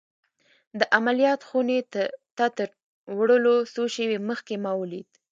د عملیات خونې ته تر وړلو څو شېبې مخکې ما ولید